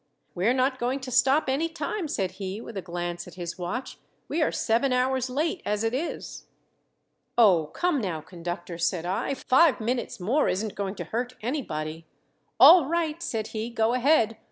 "We're not going to stop any time," said he, with a glance at his watch. "We're seven hours late as it is." "Oh, come now, Conductor!" said I. "Five minutes more isn't going to hurt anybody " "All right," said he, "go ahead.